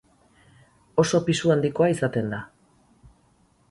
Oso pisu handikoa izaten da.